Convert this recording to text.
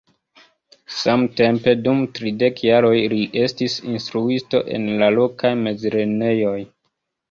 Samtempe dum tridek jaroj li estis instruisto en la lokaj mezlernejoj.